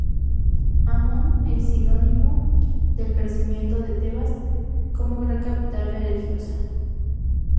Amón es sinónimo del crecimiento de Tebas como gran capital religiosa.